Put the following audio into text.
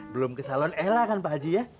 belum ke salon elah kan pakji ya